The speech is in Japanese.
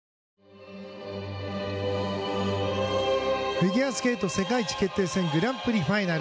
フィギュアスケート世界一決定戦グランプリファイナル。